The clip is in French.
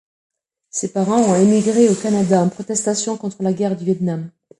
Ses parents ont émigré au Canada en protestation contre la guerre du Viêt Nam.